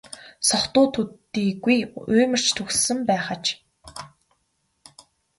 Согтуу төдийгүй уймарч түгшсэн байх аж.